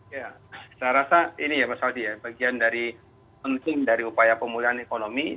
ya saya rasa ini ya mas aldi ya bagian dari penting dari upaya pemulihan ekonomi